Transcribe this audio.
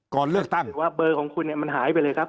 ก่อนเลือกตั้งว่าเบอร์ของคุณเนี่ยมันหายไปเลยครับ